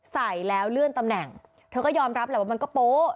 ใส่แล้วเลื่อนตำแหน่งเธอก็ยอมรับแหละว่ามันก็โป๊ะ